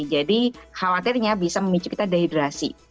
jadi khawatirnya bisa memicu kita dehidrasi